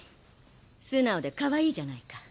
素直でかわいいじゃないか。